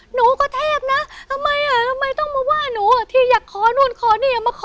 หนูก็เทพนะทำไมต้องมาว่าหนูที่อยากขอนู้นขอนี่มาขอนุอะ